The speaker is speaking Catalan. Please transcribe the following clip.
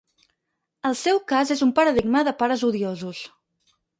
El seu cas és un paradigma de pares odiosos.